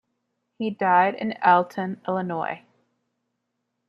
He died in Alton, Illinois.